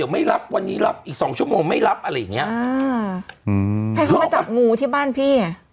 ไม่รับวันนี้รับอีกสองชั่วโมงไม่รับอะไรอย่างเงี้ยอ่าอืมให้เขามาจับงูที่บ้านพี่อ่ะ